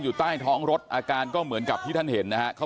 ใต้ท้องรถอาการก็เหมือนกับที่ท่านเห็นนะฮะ